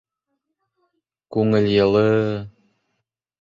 КҮҢЕЛ ЙЫЛЫЬЫ